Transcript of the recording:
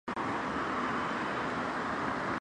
学生贷款。